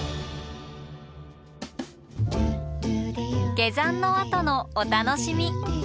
下山のあとのお楽しみ。